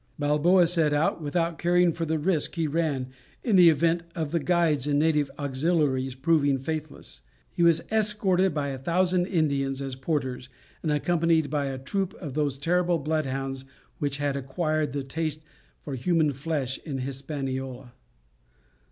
Balboa set out without caring for the risk he ran in the event of the guides and native auxiliaries proving faithless; he was escorted by a thousand Indians as porters, and accompanied by a troop of those terrible bloodhounds which had acquired the taste for human flesh in Hispaniola.